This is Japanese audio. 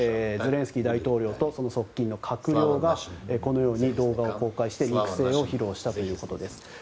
ゼレンスキー大統領とその側近の閣僚がこのように動画を公開して肉声を披露したということです。